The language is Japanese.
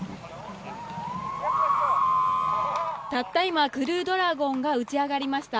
たった今「クルードラゴン」が打ち上がりました。